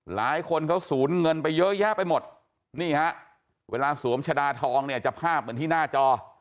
หลายคนเขาสูญเงินไปเยอะแยะไปหมดนี่ฮะเวลาสวมชะดาทองเนี่ยจะภาพเหมือนที่หน้าจอ